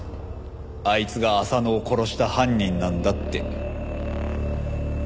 あいつが浅野を殺した犯人なんだって。